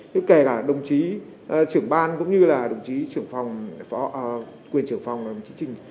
kể cả đồng chí trưởng ban cũng như là đồng chí trưởng phòng quyền trưởng phòng chính trình